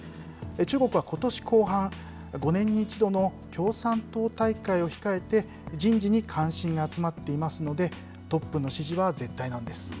中国はことし後半、５年に１度の共産党大会を控えて、人事に関心が集まっていますので、トップの指示は絶対なんです。